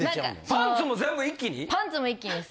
パンツも全部一気に？